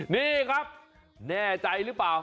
นี่ครับแน่ใจหรือเปล่า